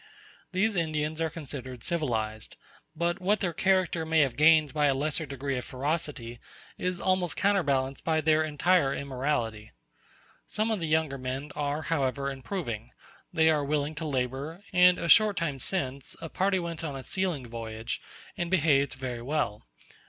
These Indians are considered civilized; but what their character may have gained by a lesser degree of ferocity, is almost counterbalanced by their entire immorality. Some of the younger men are, however, improving; they are willing to labour, and a short time since a party went on a sealing voyage, and behaved very well.